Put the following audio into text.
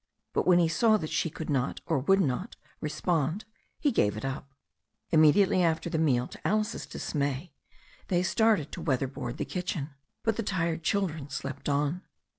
But when he saw that she could not or would not respond he gave it up. Immediately after the meal, to Alice's dismay, they started to weather board the kitchen. But the tired children slept on.